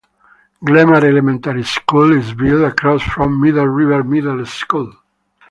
Glenmar Elementary School is built across from Middle River Middle School.